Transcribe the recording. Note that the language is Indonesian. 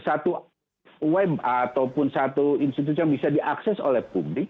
satu web ataupun satu institusi yang bisa diakses oleh publik